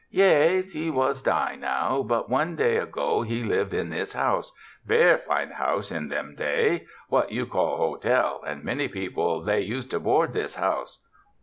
Yais, he was die' now, but one time ago he live' in this house — ver' fine house in them day' —what you call hotel, and many people they use' to board this house.